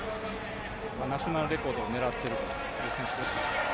ナショナルレコードを狙っているという選手です。